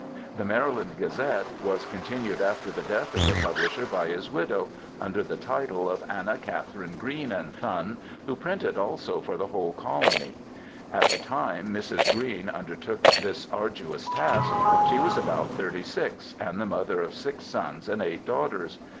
The Maryland Gazette was continued after the death of the publisher by his widow, under the title of Anna Katharine Green & Son, who printed also for the whole colony. At the time Mrs. Green under^ took this arduous task she was about thirty six, and the mother of six sons and eight daughters.